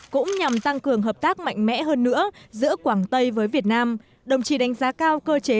cũng nhằm tăng cường hợp tác mạnh mẽ hơn nữa giữa quảng tây với việt nam đồng chí đánh giá cao cơ chế